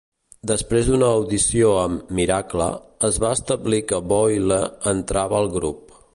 Després d'una audició amb "Miracle", es va establir que Boyle entrava al grup.